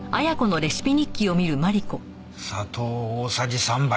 砂糖大さじ３杯。